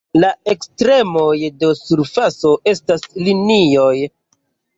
La ekstremoj de surfaco estas linioj.